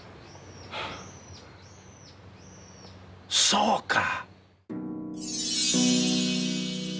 そうか！